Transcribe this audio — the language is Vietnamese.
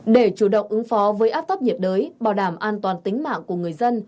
để chủ động ứng phó với áp thấp nhiệt đới bảo đảm an toàn tính mạng của người dân